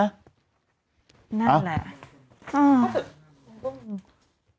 นั่นแหละ